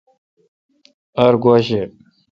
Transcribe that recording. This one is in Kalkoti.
ار گوا شہ۔